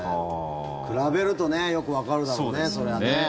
比べるとねよくわかるだろうね、それはね。